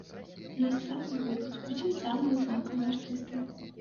На сцэну выйдуць усе самыя знакавыя артысты.